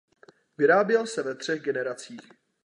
Vyráběl se ve třech generacích.